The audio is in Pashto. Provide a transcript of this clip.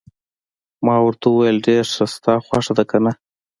ما ورته وویل: ډېر ښه، ستا خوښه ده، که نه؟